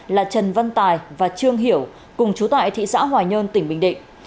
là trần văn tài và trương hiểu cùng chú tại thị xã hòa nhơn tỉnh bình định